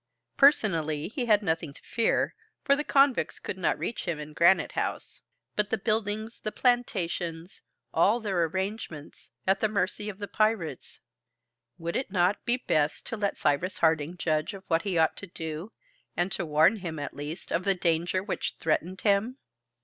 Personally he had nothing to fear, for the convicts could not reach him in Granite House. But the buildings, the plantations, all their arrangements at the mercy of the pirates! Would it not be best to let Cyrus Harding judge of what he ought to do, and to warn him, at least, of the danger which threatened him?